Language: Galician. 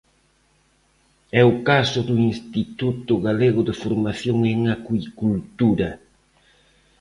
É o caso do Instituto Galego de Formación en Acuicultura.